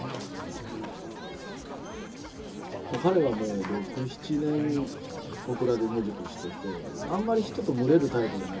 彼はもう６７年ここらで野宿をしててあんまり人と群れるタイプじゃなくって。